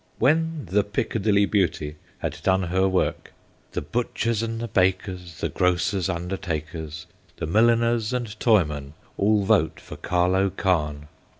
When 'the Piccadilly Beauty' had done her work, ' The butchers and the bakers, The grocers, undertakers, The milliners and toymen, All vote for Carlo Khan.'